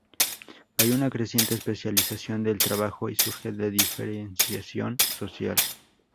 Hay una creciente especialización del trabajo y surge la diferenciación social.